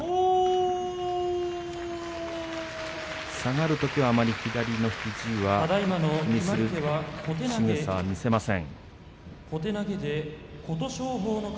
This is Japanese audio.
下がるときはあまり左の肘は気にするしぐさは見せません。